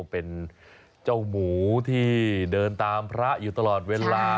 เป็นเจ้าหมูที่เดินตามพระอยู่ตลอดเวลา